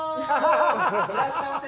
いらっしゃいませ。